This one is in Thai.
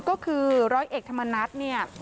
ก็คือร้อยเอกธรรมนัฐเนี่ย